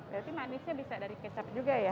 berarti manisnya bisa dari kecap juga ya